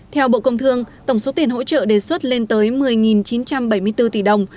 theo bộ công thương tổng số tiền hỗ trợ đề xuất lên tới một mươi chín trăm bảy mươi bốn tỷ đồng